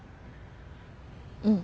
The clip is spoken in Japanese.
うん。